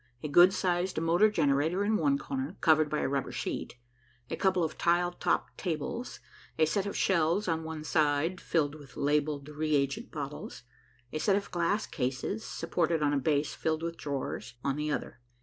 A good sized motor generator in one corner, covered by a rubber sheet, a couple of tile topped tables, a set of shelves on one side, filled with labelled reagent bottles, a set of glass cases, supported on a base filled with drawers, on the other.